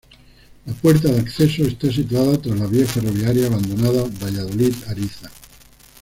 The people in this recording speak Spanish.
La puerta de acceso está situada tras la vía ferroviaria abandonada Valladolid-Ariza.